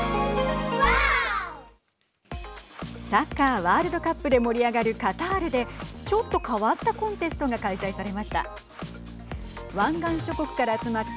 サッカーワールドカップで盛り上がるカタールでちょっと変わったコンテストが開催されました。